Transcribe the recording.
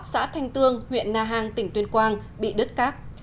xã thanh tương huyện nà hang tỉnh tuyên quang bị đứt cát